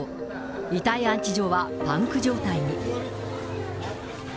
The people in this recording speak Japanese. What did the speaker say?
遺体安置所はパンク状態に。